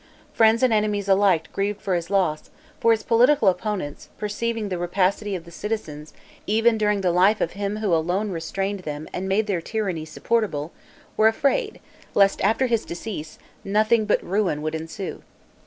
Friends and enemies alike grieved for his loss; for his political opponents, perceiving the rapacity of the citizens, even during the life of him who alone restrained them and made their tyranny supportable, were afraid, lest after his decease, nothing but ruin would ensue.